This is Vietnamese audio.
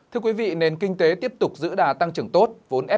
thưa quý vị nền kinh tế tiếp tục giữ đà tăng trưởng tốt